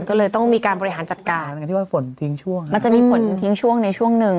ก็เลยต้องมีการบริหารจัดการที่ว่าฝนทิ้งช่วงมันจะมีฝนทิ้งช่วงในช่วงหนึ่ง